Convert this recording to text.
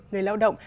người lao động